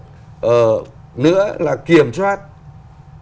nữa là kiểm soát các cái hoạt động về kinh doanh dịch vụ môi giới trên thị trường